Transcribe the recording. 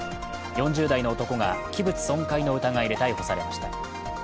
４０代の男が器物損壊の疑いで逮捕されました。